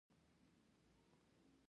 ته وا چې مېړانه به په برېت پورې وي.